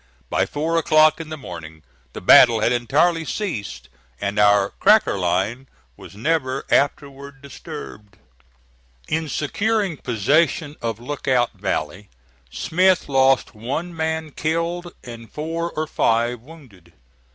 By four o'clock in the morning the battle had entirely ceased, and our "cracker line" was never afterward disturbed. In securing possession of Lookout Valley, Smith lost one man killed and four or five wounded.